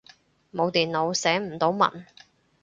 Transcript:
冇電腦，寫唔到文